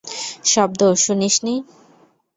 শব্দ শুনিস নি?